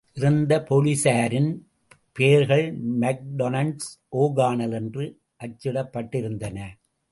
இறந்த போலிஸாரின் பெயர்கள் மக்டொன்னல், ஒகானல் என்று அச்சிடப்பட்டிருந்தன.